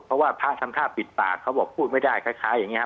เพราะว่าพระทำท่าปิดปากเขาบอกพูดไม่ได้คล้ายอย่างนี้